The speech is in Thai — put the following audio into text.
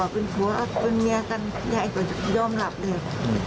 ปุ๊บหาพ่อเป็นเมื่อกันย่าก็ยอมหลับเลย